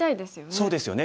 そうですよね。